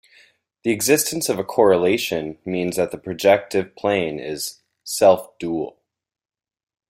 The existence of a correlation means that the projective plane is "self-dual".